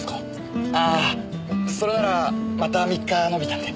ああそれならまた３日延びたんで。